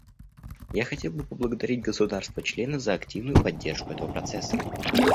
Я хотел бы поблагодарить государства-члены за активную поддержку этого процесса.